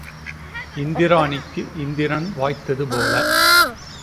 இந்திராணிக்கு இந்திரன் வாய்த்தது போல.